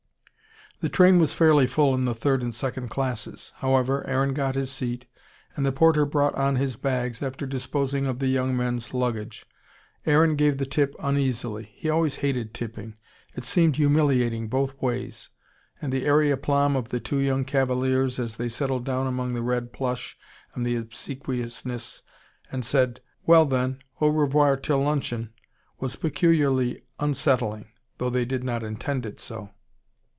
The train was fairly full in the third and second classes. However, Aaron got his seat, and the porter brought on his bags, after disposing of the young men's luggage. Aaron gave the tip uneasily. He always hated tipping it seemed humiliating both ways. And the airy aplomb of the two young cavaliers, as they settled down among the red plush and the obsequiousness, and said "Well, then, au revoir till luncheon," was peculiarly unsettling: though they did not intend it so.